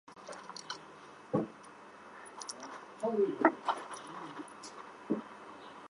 佩托拉扎格里马尼。